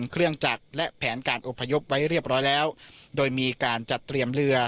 เครื่องจักรและแผนการอพยพไว้เรียบร้อยแล้วโดยมีการจัดเตรียมเรือ